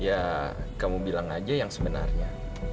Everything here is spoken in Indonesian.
ya kamu bilang aja yang sebenarnya